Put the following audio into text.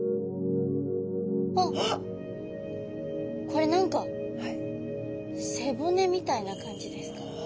これ何か背骨みたいな感じですか？